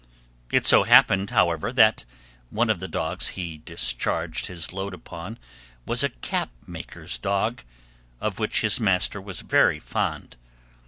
It so happened, however, that one of the dogs he discharged his load upon was a cap maker's dog, of which his master was very fond.